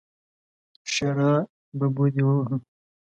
ښېرا: ببو دې ووهه!